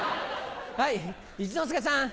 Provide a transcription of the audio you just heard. はい一之輔さん。